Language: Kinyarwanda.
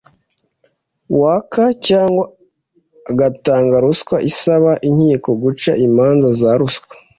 waka cyangwa agatanga ruswa Isaba inkiko guca imanza za ruswa